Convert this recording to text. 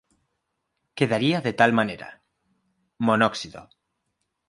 Quedaría de tal manera: Monóxido.